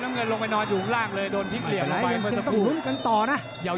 น้ำเงินลงไปนอนอยู่ข้างล่างเลยโดนพลิกเหลี่ยวลงไป